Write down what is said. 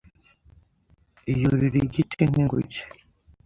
Yurira igiti nk'inguge.